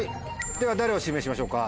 では誰を指名しましょうか？